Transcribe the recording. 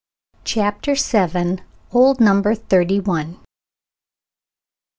CHAPTER VII. OLD "NUMBER THIRTY ONE."